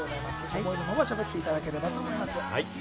思うままにしゃべっていただけたらと思います。